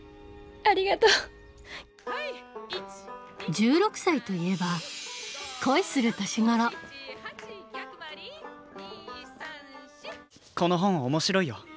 １６歳といえば恋する年頃この本面白いよ。